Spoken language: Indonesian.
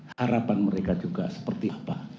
harapan mereka juga seperti apa